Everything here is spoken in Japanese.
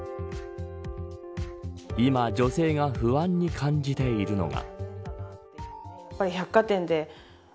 今、女性が不安に感じているのが。